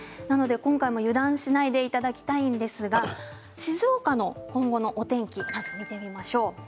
今回も油断しないでいただきたいんですが静岡の今後のお天気を見てみましょう。